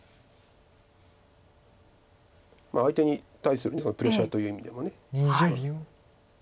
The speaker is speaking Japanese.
相手に対するプレッシャーという意味でも。